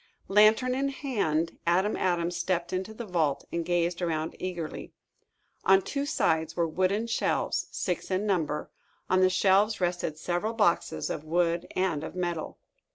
Lantern in hand, Adam Adams stepped into the vault and gazed around eagerly. On two sides were wooden shelves, six in number. On the shelves rested several boxes, of wood and of metal.